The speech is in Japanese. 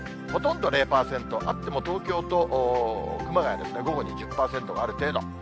ほとんど０％、あっても東京と熊谷ですね、午後に１０％がある程度。